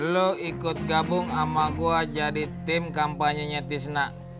lo ikut gabung sama gua jadi tim kampanye nya tisnak